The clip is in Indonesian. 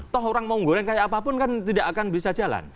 toh orang mau goreng kayak apapun kan tidak akan bisa jalan